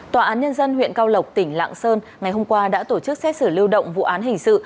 tòa án nhân dân huyện cao lộc tỉnh lạng sơn ngày hôm qua đã tổ chức xét xử lưu động vụ án hình sự